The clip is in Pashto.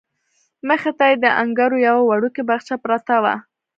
مخې ته یې د انګورو یوه وړوکې باغچه پرته وه.